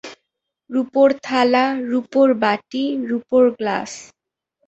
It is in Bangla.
রুপোর থালা, রুপোর বাটি, রুপোর গ্লাস।